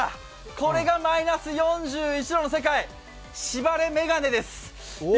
これがマイナス４１度の世界、しばれ眼鏡です。